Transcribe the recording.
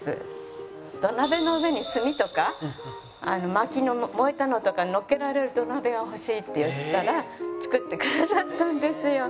土鍋の上に炭とかまきの燃えたのとかのっけられる土鍋が欲しいって言ったら作ってくださったんですよ。